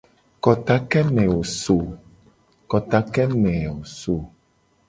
Kota ke me wo so ?